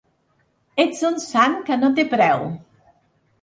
Ets un sant que no té preu!